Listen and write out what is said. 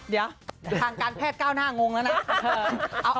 เดี๋ยวทางการแพทย์ก้าวหน้างงแล้วนะ